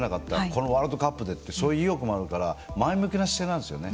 このワールドカップでというそういう意欲もあるから前向きな姿勢なんですよ。